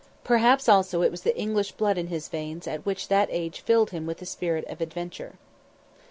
Perhaps also it was the English blood in his veins which at that age filled him with the spirit of adventure.